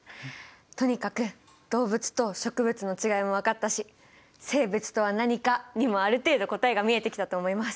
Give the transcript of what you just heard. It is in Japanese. とにかく動物と植物のちがいも分かったし「生物とは何か」にもある程度答えが見えてきたと思います。